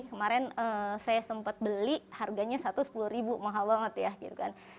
kemarin saya sempat beli harganya rp sepuluh mahal banget ya